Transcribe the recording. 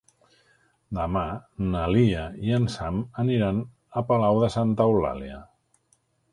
Demà na Lia i en Sam aniran a Palau de Santa Eulàlia.